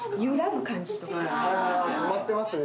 止まってますね